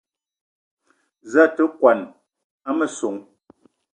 Za a te kwuan a messong?